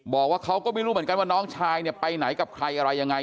บอกว่าเขาก็ไม่รู้เหมือนกันว่าน้องชายเนี่ยไปไหนกับใครอะไรยังไง